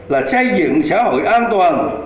là xây dựng xã hội an toàn